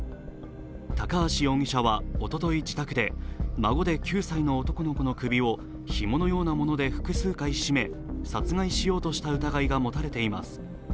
高橋容疑者はおととい自宅で孫で９歳の男の子の首をひものようなもので複数回絞め殺害しようとした疑いが持たれています。